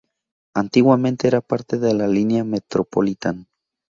Antiguamente era parte de la línea Metropolitan.